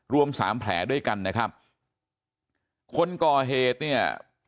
รวมสามแผลด้วยกันนะครับคนก่อเหตุเนี่ย